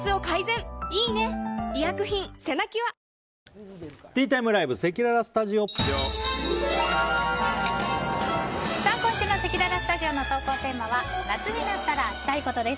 うるおいタイプも今週のせきららスタジオの投稿テーマは夏になったらしたいことです。